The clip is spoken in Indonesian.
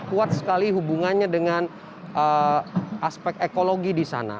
kuat sekali hubungannya dengan aspek ekologi di sana